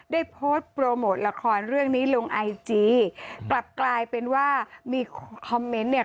ได้โพสต์โปรโมทละครเรื่องนี้ลงไอจีกลับกลายเป็นว่ามีคอมเมนต์เนี่ย